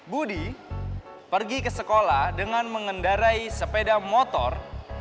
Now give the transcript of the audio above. budi pergi ke sekolah dengan mengendarai sepeda motor